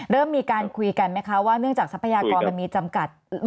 เริ่มมีการคุยกันไหมคะว่าเนื่องจากทรัพยากรมันมีจำกัด